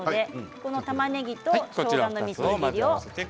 このたまねぎとしょうがのみじん切りを。